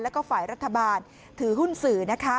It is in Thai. และก็ฝ่ายรัฐบาลถือหุ้นสื่อ